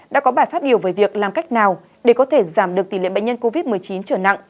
đã có bài phát biểu về việc làm cách nào để có thể giảm được tỷ lệ bệnh nhân covid một mươi chín trở nặng